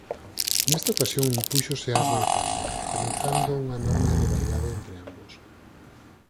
Nesta ocasión impúxose a Arnold Palmer comezando unha enorme rivalidade entre ambos.